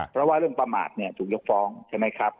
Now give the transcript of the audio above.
เพราะว่าเรื่องประมาทถูกยกฟ้องใช่ไหมครับ